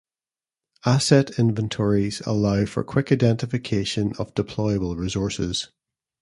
Asset inventories allow for quick identification of deployable resources.